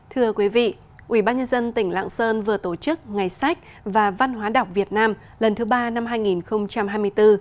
thưa quý vị ubnd tỉnh lạng sơn vừa tổ chức ngày sách và văn hóa đọc việt nam lần thứ ba năm hai nghìn hai mươi bốn